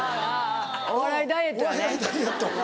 お笑いダイエットだね。